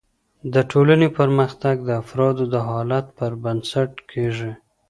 د ټولني پرمختګ د افرادو د حالت پر بنسټ کیږي.